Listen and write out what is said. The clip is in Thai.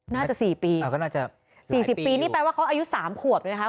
น่าจะสี่ปีอ่าก็น่าจะสี่สิบปีนี่แปลว่าเขาอายุสามขวบเลยนะคะ